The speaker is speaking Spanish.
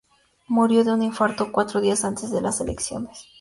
Murió de un infarto cuatro días antes de las elecciones.